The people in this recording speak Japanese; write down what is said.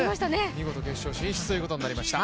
見事決勝進出ということになりました。